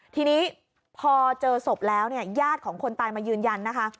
ทีนี้พอเจอศพแล้วเนี่ยญาติของคนตายมายืนยันนะคะ